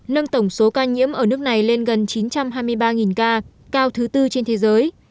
nâng tổng số ca nhiễm ở nước này lên gần chín trăm hai mươi ba ca cao thứ tư trên thế giới